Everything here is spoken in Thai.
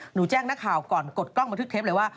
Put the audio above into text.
แจ้งนักข่าวก่อนกดกล้องบันทึกเทปเลยว่า